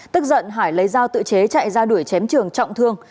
tức giận hải lấy dao tự chế chạy ra đuổi chém trường trọng thương